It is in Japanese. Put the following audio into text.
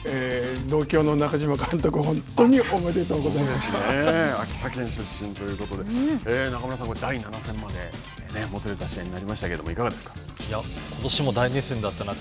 同郷の中嶋監督、本当におめでと秋田県出身ということで中村さん、第７戦までもつれた試合になりましたけれどもいかがですか。